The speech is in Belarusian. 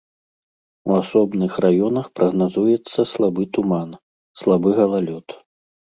У асобных раёнах прагназуецца слабы туман, слабы галалёд.